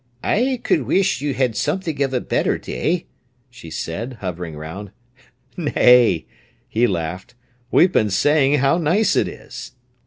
"I could wish you'd had something of a better day," she said, hovering round. "Nay!" he laughed. "We've been saying how nice it is."